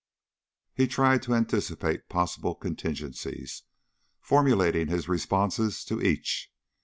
He tried to anticipate possible contingencies, formulating his responses to each.